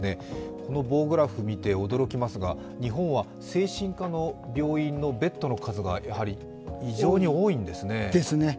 この棒グラフを見て驚きますが日本は精神科の病院のベッドの数がやはり異常に多いんですね。